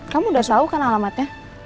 kamu udah sahau kan alamatnya